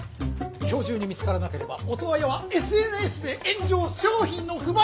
今日中に見つからなければオトワヤはＳＮＳで炎上商品の不買運動が起こる。